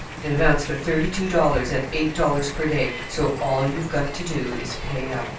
It amounts to thirty two dollars, at eight dollars per day so all you've got to do is pay up."